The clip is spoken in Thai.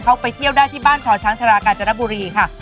เขาไปเที่ยวได้ที่บ้านช่อช้างชารากาญจนบุรีค่ะ